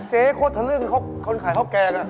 เศรษฐ์ให้โคตรทะลึ่มคนขายข้าวแกง